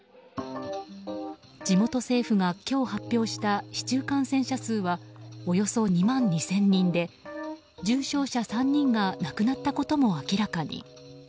地元政府が今日、発表した市中感染者数はおよそ２万２０００人で重症者３人が亡くなったことも明らかに。